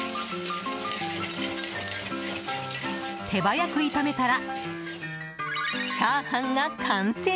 手早く炒めたらチャーハンが完成。